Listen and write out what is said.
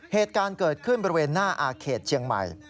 เหตุการณ์เกิดขึ้นบริเวณหน้าอาเขตเชียงใหม่